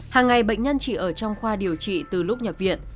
hàng ngày bệnh nhân chỉ ở trong khoa điều trị từ lúc nhập viện